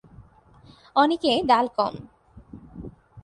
অনেকে ডাল কম।